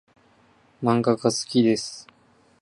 漫画が好きです。